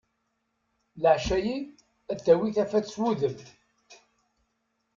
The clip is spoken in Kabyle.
Leɛca-ayi ad tawi tafat s wudem.